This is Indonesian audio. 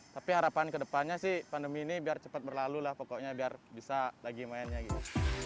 tapi harapan kedepannya sih pandemi ini biar cepat berlalu lah pokoknya biar bisa lagi mainnya gitu